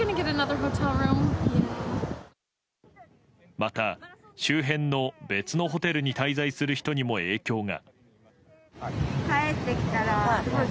また、周辺の別のホテルに滞在する人にも影響が。